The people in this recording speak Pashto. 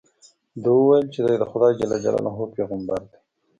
ده وویل چې دې د خدای جل جلاله پیغمبر دی.